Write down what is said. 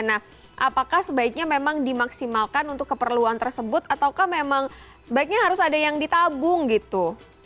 nah apakah sebaiknya memang dimaksimalkan untuk keperluan tersebut ataukah memang sebaiknya harus ada yang ditabung gitu